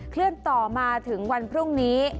เลื่อนต่อมาถึงวันพรุ่งนี้